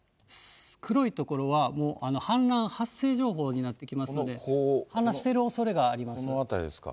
黒い所はもう氾濫発生情報になってきますので、この辺りですか。